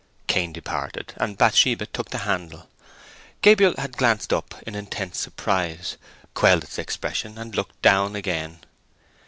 Cain departed, and Bathsheba took the handle. Gabriel had glanced up in intense surprise, quelled its expression, and looked down again.